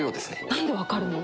なんで分かるの？